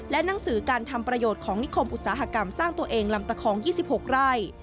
หนังสือการทำประโยชน์ของนิคมอุตสาหกรรมสร้างตัวเองลำตะคอง๒๖ไร่